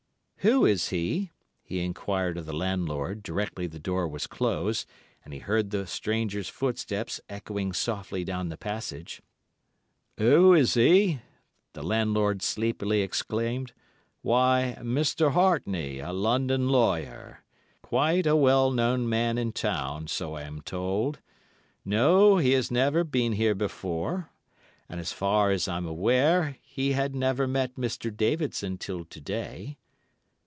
"'Who is he?' he enquired of the landlord, directly the door was closed, and he heard the stranger's footsteps echoing softly down the passage. "'Who is he?' the landlord sleepily exclaimed. 'Why, Mr. Hartney, a London lawyer. Quite a well known man in town, so I'm told. No, he has never been here before, and as far as I'm aware he had never met Mr. Davidson till to day.